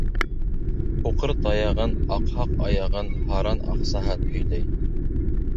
Һуҡыр таяғын, аҡһаҡ аяғын, һаран аҡсаһын һөйләй.